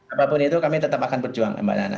apapun itu kami tetap akan berjuang mbak nana